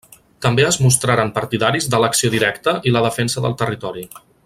També es mostraren partidaris de l'acció directa i la defensa del territori.